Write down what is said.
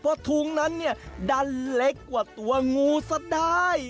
เพราะถุงนั้นเนี่ยดันเล็กกว่าตัวงูซะได้